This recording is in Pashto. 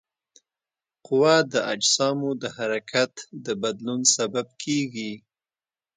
قوه د اجسامو د حرکت د بدلون سبب کیږي.